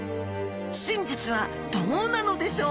真実はどうなのでしょう？